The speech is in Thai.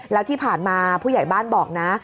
แล้วที่ผ่านมาผู้ใหญ่บ้านบอกนะ